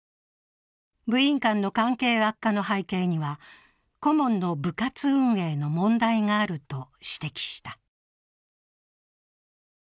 部員間の関係悪化の背景には顧問の部活運営の問題があると指摘した。